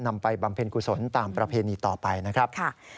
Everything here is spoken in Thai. ไปบำเพ็ญกุศลตามประเพณีต่อไปนะครับ